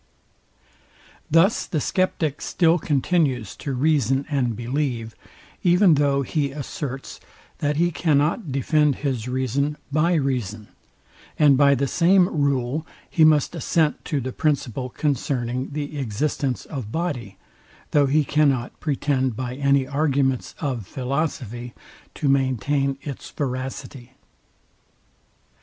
Thus the sceptic still continues to reason and believe, even though he asserts, that he cannot defend his reason by reason; and by the same rule he must assent to the principle concerning the existence of body, though he cannot pretend by any arguments of philosophy to maintain its veracity.